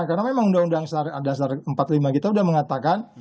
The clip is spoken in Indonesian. karena memang undang undang dasar empat puluh lima kita udah mengatakan